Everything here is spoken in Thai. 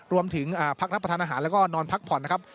รวมถึงพักรับประทานอาหารแล้วก็นอนพักผ่อนนะครับ